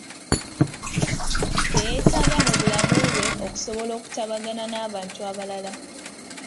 Bye yeetaaga mu bulamu bwe okusobola okutabagana n’abantu abalala.